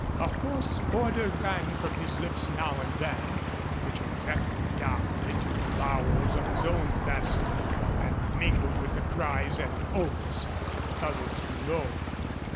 A hoarse order rang from his lips now and then, which was echoed down into the bowels of his own vessel and mingled with the cries and oaths of the fellows below.